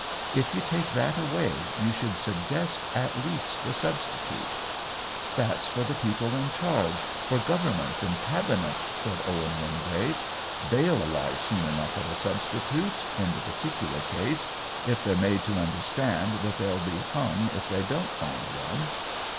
If you take that away, you should suggest at least a substitute." "That's for the people in charge, for governments and cabinets," said Owen Wingrave. " Ty^^yil arrive soon enough at a substitute, in the particular case, if they're 1 86 OWEN WINGRAVE made to understand that they'll be hung if they don't find one.